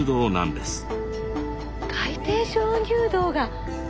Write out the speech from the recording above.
海底鍾乳洞が。